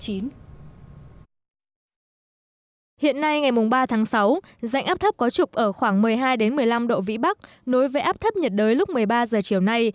hiện nay ngày mùng ba tháng sáu dạnh ác thấp có trục ở khoảng một mươi hai đến một mươi năm độ vĩ bắc nối với ác thấp nhiệt đới lúc một mươi ba h chiều nay